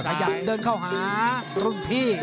ขยับเดินเข้าหารุ่นพี่